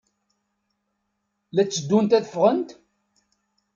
La tteddunt ad ffɣent?